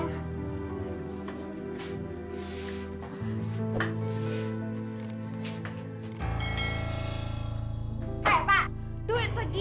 hei pak duit segitu